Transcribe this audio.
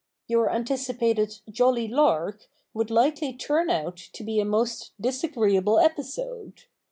Your anticipated "jolly lark" would likely turn out to be a most disagreeable episode.